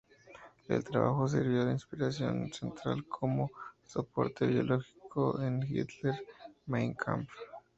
El trabajo sirvió de inspiración central, como soporte biológico en Hitler "Mein Kampf".